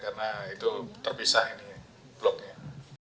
karena itu terpisah ini bloknya